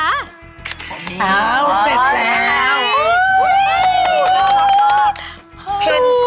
อ้าวเจ็บแล้วเฮ้ยเอ้า๑๐๐๐แล้ว